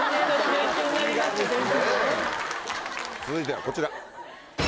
続いてはこちら。